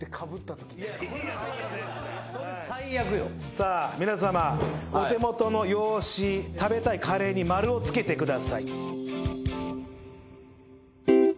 さあ皆さまお手元の用紙食べたいカレーに丸を付けてください。